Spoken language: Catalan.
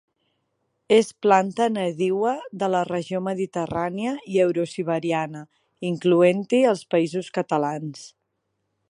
És planta nadiua de la regió mediterrània i eurosiberiana, incloent-hi els Països Catalans.